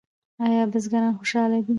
آیا بزګران خوشحاله دي؟